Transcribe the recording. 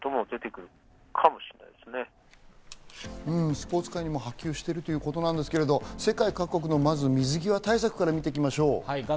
スポーツ界にも波及しているということですけど、世界各国のまず水際対策からみていきましょう。